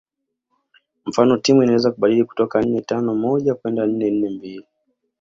Mfano timu inaweza kubadili kutoka nne tano moja kwenda nne nne mbili